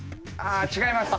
違います。